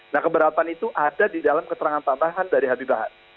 nah keberatan itu ada di dalam keterangan tambahan dari habib lahat